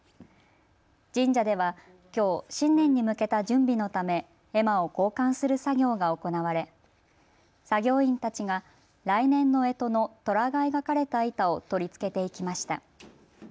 神社ではきょう新年に向けた準備のため絵馬を交換する作業が行われ作業員たちが来年のえとのとらが描かれた板を取り付けていきました。